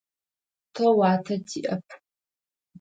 Тэ уатэ тиӏэп.